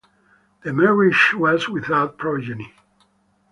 The marriage was without progeny.